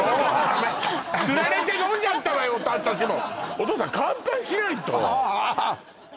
お父さん乾杯しないとああっ！